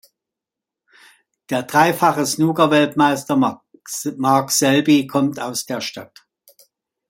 Der dreifache Snooker Weltmeister Mark Selby kommt aus der Stadt.